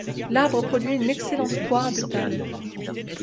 L'arbre produit une excellente poire de table.